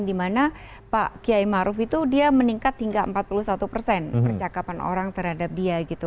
dimana pak kiai maruf itu dia meningkat hingga empat puluh satu persen percakapan orang terhadap dia gitu